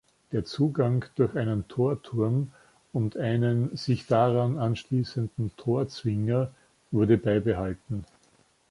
Der Zugang durch einen Torturm und einen sich daran anschließenden Torzwinger wurde beibehalten.